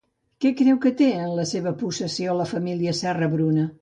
Què creu que té en la seva possessió la família Serra-Bruna?